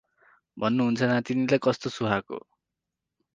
भन्नुहुन्छ नातिनीलाई कस्तो सुहा’को ।